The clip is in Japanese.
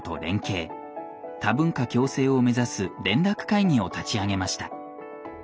多文化共生を目指す連絡会議を立ち上げました。